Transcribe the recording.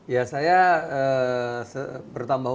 ya saya bertambah